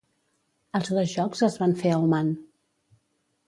Els dos jocs es van fer a Oman.